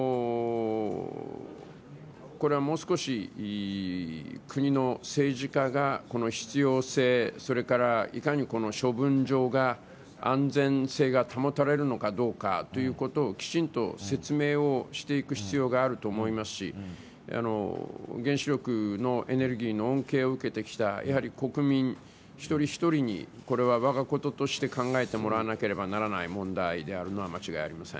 これはもう少し国の政治家が必要性、それから、いかに処分場が安全性が保たれるのかどうかということをきちんと説明をしていく必要があると思いますし原子力のエネルギーの恩恵を受けてきた国民一人一人にこれは我が事として考えてもらわなければならない問題であるのは間違いありません。